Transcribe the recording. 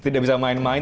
tidak bisa main main